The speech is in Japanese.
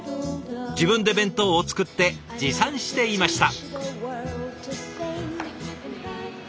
自分で弁当を作って持参していました。